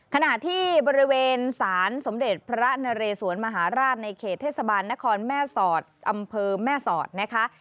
ขณะที่บริเวณศาลสมเด็จพระนเรสวนมหาราชในเขตเทศบาลนครแม่สอดอำเภอแม่สอดนะคะ